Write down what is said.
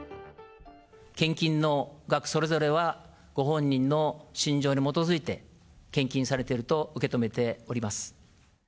献金の額、それぞれはご本人の信条に基づいて、献金されていると受け止めております。